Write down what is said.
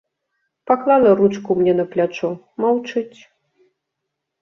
Паклала ручку мне на плячо, маўчыць.